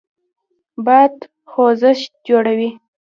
باد خوځښت جوړوي.